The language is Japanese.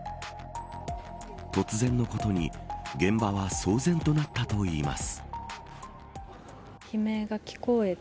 突然のことに現場は騒然となったといいます。